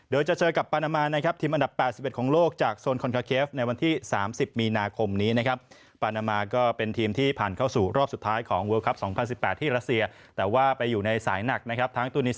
เดี๋ยวจะเจอกับปานามานะครับ